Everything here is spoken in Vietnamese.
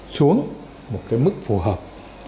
xuống một cái mức phù hợp